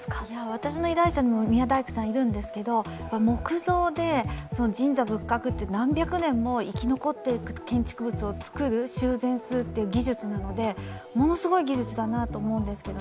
私の周りにもある宮大工さんがいるんですけど、木造で神社仏閣、何百年も生き残っていく建築物を修繕する技術なので、ものすごい技術だなと思うんです。